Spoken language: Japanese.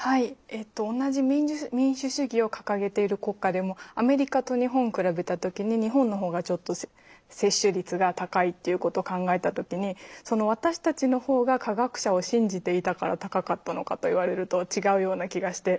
えっと同じ民主主義を掲げている国家でもアメリカと日本比べた時に日本の方がちょっと接種率が高いっていうこと考えた時にその私たちの方が科学者を信じていたから高かったのかと言われると違うような気がして。